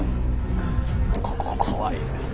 ここ怖いんです。